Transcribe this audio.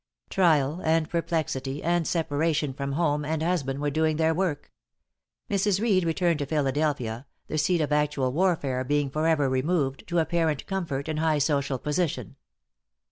Trial and perplexity and separation from home and husband were doing their work. Mrs. Reed returned to Philadelphia, the seat of actual warfare being forever removed, to apparent comfort and high social position.